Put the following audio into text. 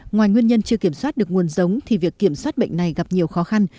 ngoài nguyên nhân chưa kiểm soát được nguồn giống thì việc kiểm soát bệnh này gặp nhiều khó khăn